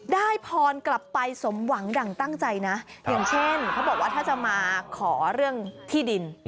ได้พรกลับไปสมหวังดั่งตั้งใจนะอย่างเช่นเขาบอกว่าถ้าจะมาขอเรื่องที่ดิน